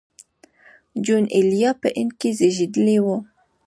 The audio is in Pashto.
جون ایلیا په هند کې زېږېدلی و